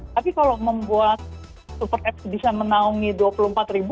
tapi kalau membuat super apps bisa menaungi dua puluh empat ribu